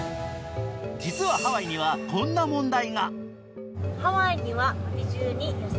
実はハワイにはこんな問題が。